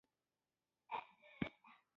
باز د لوړ اواز خاوند دی